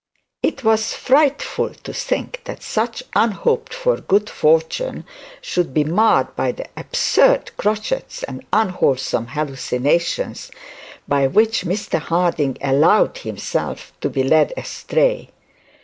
It was frightful to think that such unhoped for good fortune should be marred by the absurd crotchets and unwholesome hallucinations by which Mr Harding allowed himself to be led astray.